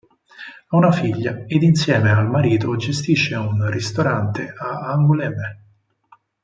Ha una figlia ed insieme al marito gestisce un ristorante a Angoulême.